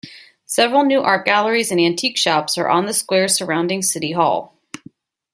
Several new art galleries and antique shops are on the square surrounding City Hall.